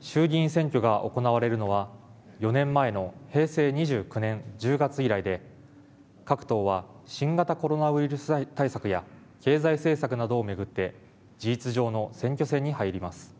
衆議院選挙が行われるのは４年前の平成２９年１０月以来で各党は新型コロナウイルス対策や経済政策などを巡って事実上の選挙戦に入ります。